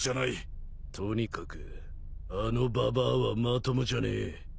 とにかくあのババアはまともじゃねえ。